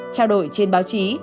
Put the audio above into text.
trao đổi trên báo chí